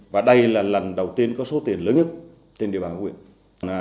và đây là lần đầu tiên có số tiền lớn nhất trên địa bàn huyện